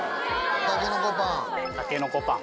たけのこパン。